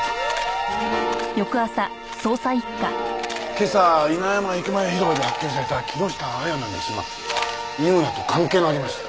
今朝稲山駅前広場で発見された木下亜矢なんですが井村と関係がありました。